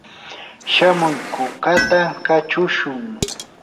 shamuy kukata kachushun.